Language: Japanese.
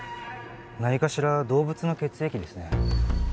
何かしら動物の血液ですね。